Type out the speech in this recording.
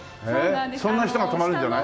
そんな人が泊まるんじゃない？